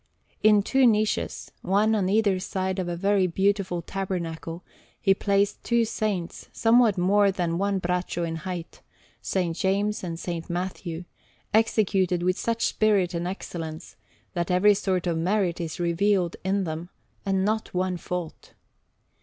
In two niches, one on either side of a very beautiful tabernacle, he placed two saints somewhat more than one braccio in height, S. James and S. Matthew, executed with such spirit and excellence, that every sort of merit is revealed in them and not one fault.